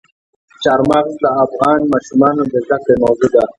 چار مغز د افغان ماشومانو د زده کړې موضوع ده.